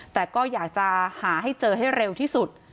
แต่ก็อยากจะหาให้เจอให้เร็วที่สุด